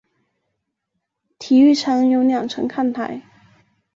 体育场有两层看台。